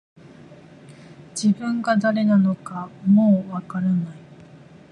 自分が誰なのかもう分からない